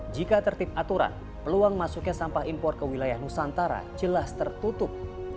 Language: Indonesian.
jika tertib aturan peluang masuknya sampah impor ke wilayah nusantara jelas tertutup